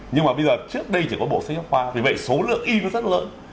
nhưng mà bây giờ trước đây chỉ có bộ sách giáo khoa vì vậy số lượng in rất lớn